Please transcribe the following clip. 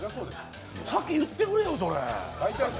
先言ってくれよ。